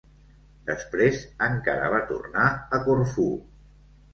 Després encara va tornar a Corfú.